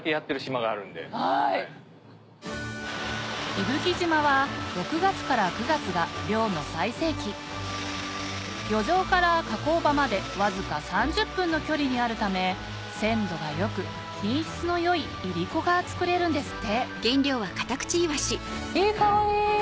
伊吹島は６月から９月が漁の最盛期漁場から加工場までわずか３０分の距離にあるため鮮度が良く品質の良いいりこが作れるんですっていい香り！